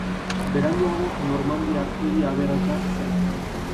Beranduago normandiar hiri aberatsa zen.